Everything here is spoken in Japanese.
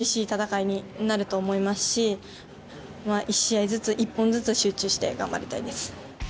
厳しい戦いになると思いますし、１試合ずつ、１本ずつ、集中して頑張りたいです。